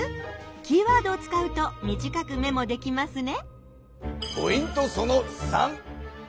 キーワードを使うと短くメモできますね。